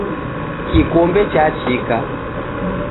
Kikombe chachika.